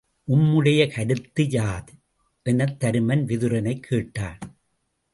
உம்முடைய கருத்து யாது? எனத் தருமன் விதுரனைக் கேட்டான்.